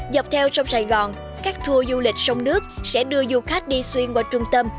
dọc theo sông sài gòn các tour du lịch sông nước sẽ đưa du khách đi xuyên qua trung tâm